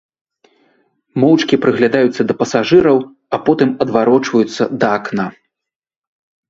Моўчкі прыглядаюцца да пасажыраў, а потым адварочваюцца да акна.